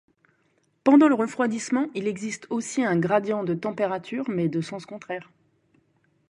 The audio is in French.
Pendant le refroidissement il existe aussi un gradient de température, mais de sens contraire.